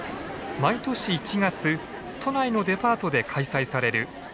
毎年１月都内のデパートで開催される駅弁大会。